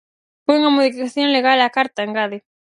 Foi unha modificación legal á carta, engade.